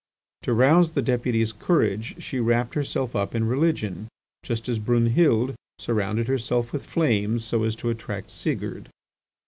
To rouse the Deputy's courage she wrapped herself up in religion, just as Brunhild surrounded herself with flames so as to attract Sigurd.